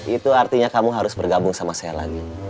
itu artinya kamu harus bergabung sama saya lagi